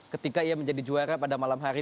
ketika ia menjadi juara pada malam hari